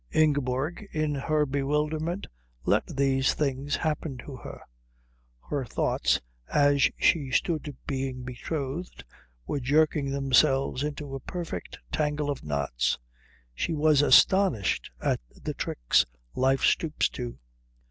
Ingeborg in her bewilderment let these things happen to her. Her thoughts as she stood being betrothed were jerking themselves into a perfect tangle of knots. She was astonished at the tricks life stoops to.